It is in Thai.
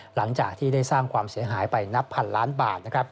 หลังจากที่ได้สร้างความเสียหายไปนับพันล้านบาท